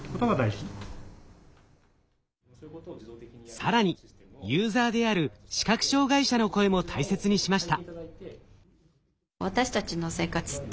更にユーザーである視覚障害者の声も大切にしました。